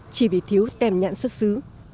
chỉ vì thiếu tèm nhãn xuất xứ